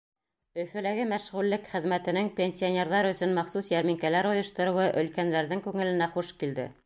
Өфөләге мәшғүллек хеҙмәтенең пенсионерҙар өсөн махсус йәрминкәләр ойоштороуы өлкәндәрҙең күңеленә хуш килде.